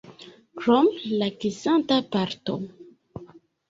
Krom la kisanta parto.